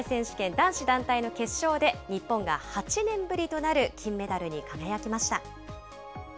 男子団体の決勝で、日本が８年ぶりとなる金メダルに輝きました。